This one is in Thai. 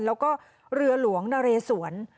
แล้วก็เรือหลวงนเรสวน